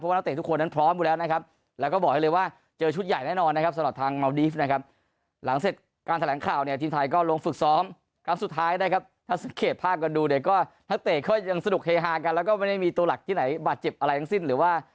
เพราะว่านักเตะทุกคนนั้นพร้อมอยู่แล้วนะครับแล้วก็บอกให้เลยว่า